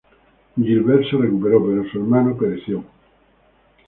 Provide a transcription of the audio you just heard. Gilbert se recuperó, pero su hermano pereció.